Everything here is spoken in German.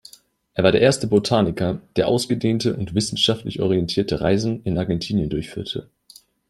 Er war der erste Botaniker, der ausgedehnte und wissenschaftlich orientierte Reisen in Argentinien durchführte.